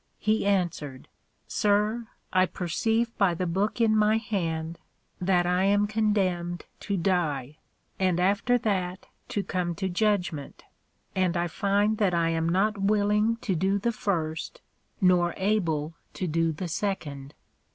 He answered, Sir, I perceive by the Book in my hand, that I am condemned to die, and after that to come to Judgment, and I find that I am not willing to do the first, nor able to do the second.